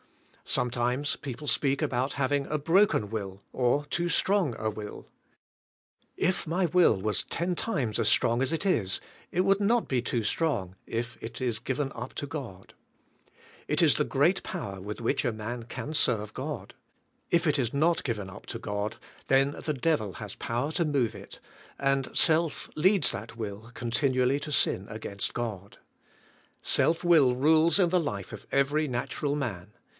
Sometimes people speak about having a broken will or too strong a will. If 50 THE SPIRITUAL LIFE. my will was ten times as strong as it is, it would not be too strong if it is given up to God. It is the great power with which a man can serve God. If it is not given up to God then the Devil has power to move it and self leads that will continually to sin against God. Self will rules in the life of every natural man.